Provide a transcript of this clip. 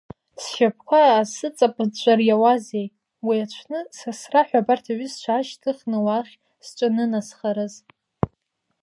Сшьапқәа аасыҵаԥыҵәҵәар иауазеи, уи аҽны сасра ҳәа абарҭ аҩызцәа аашьҭыхны уахь сҿанынасхарыз!